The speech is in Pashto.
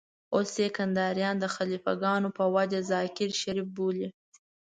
اوس يې کنداريان د خليفه ګانو په وجه ذاکر شريف بولي.